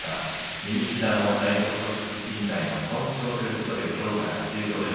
右膝の内側側副じん帯損傷ということできょうから休場です。